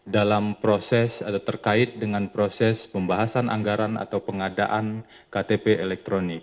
dalam proses atau terkait dengan proses pembahasan anggaran atau pengadaan ktp elektronik